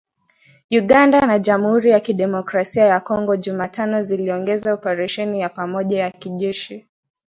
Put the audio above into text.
Uganda na Jamhuri ya Kidemokrasia ya Kongo Jumatano ziliongeza operesheni ya pamoja ya kijeshi.